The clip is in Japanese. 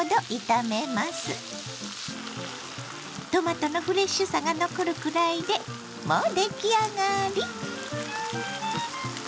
トマトのフレッシュさが残るくらいでもう出来上がり！